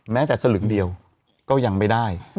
แม้แต่สลึงเดียวก็ยังไม่ได้